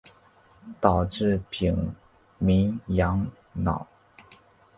导致丙寅洋扰。